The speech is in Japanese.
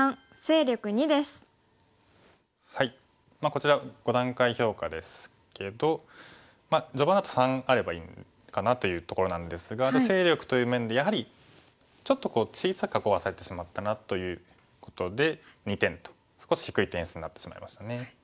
こちら５段階評価ですけど序盤だと３あればいいかなというところなんですが勢力という面でやはりちょっと小さく囲わされてしまったなということで２点と少し低い点数になってしまいましたね。